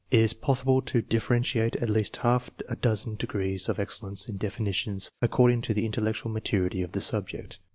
It is possible to differentiate at least a half dozen degrees of excellence in definitions, ac cording to the intellectual maturity of the subject.